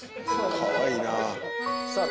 かわいいな。